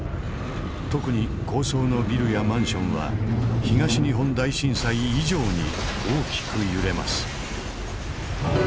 特に高層のビルやマンションは東日本大震災以上に大きく揺れます。